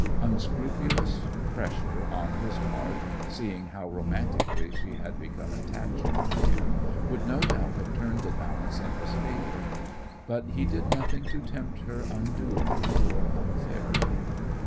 Unscrupulous pressure on his part, seeing how romantically she had become attached to him, would no doubt have turned the balance in his favour. But he did nothing to tempt her unduly or unfairly.